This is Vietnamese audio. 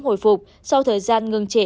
hồi phục sau thời gian ngưng trễ